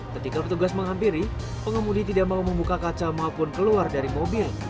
ketika petugas menghampiri pengemudi tidak mau membuka kaca maupun keluar dari mobil